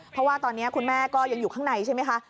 เพราะว่าตอนนี้คุณแม่ก็ยังอยู่ข้างในใช่ไหมคะ